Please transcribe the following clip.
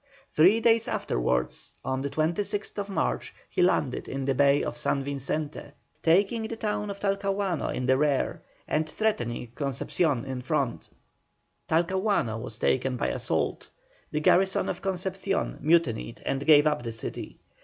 Three days afterwards, on the 26th March, he landed in the bay of San Vicente, taking the town of Talcahuano in the rear, and threatening Concepcion in front. Talcahuano was taken by assault; the garrison of Concepcion mutinied and gave up the city.